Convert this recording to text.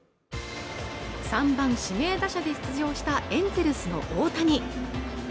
３番指名打者で出場したエンゼルスの大谷